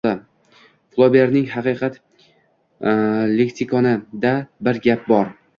Floberning “Haqiqat leksikoni”da bir gap bor